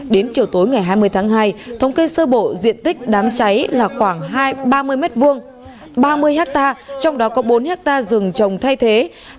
đến chiều tối ngày hai mươi tháng hai thống kê sơ bộ diện tích đám trái là khoảng ba mươi mét vuông ba mươi hectare trong đó có bốn hectare rừng trồng thay thế